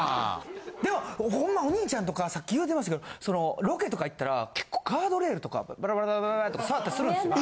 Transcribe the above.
でもホンマお兄ちゃんとかさっき言うてましたけどそのロケとか行ったら結構ガードレールとかパラパラとか触ったりするんですよ。